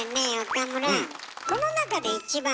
岡村。